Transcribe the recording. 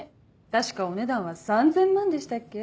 確かお値段は３０００万でしたっけ？